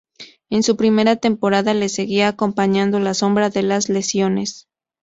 En su primera temporada le seguía acompañando la sombra de las lesiones.